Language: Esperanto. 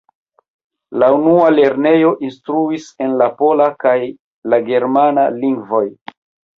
La unua lernejo instruis en la pola kaj la germana lingvoj.